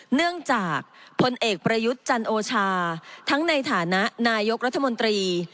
เนื่องจากพลเอกประยุทธ์จันโอชาทั้งในฐานะนายกรัฐมนตรี